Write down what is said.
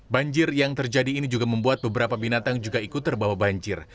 banjir yang terjadi ini juga membuat beberapa binatang juga ikut terbawa banjir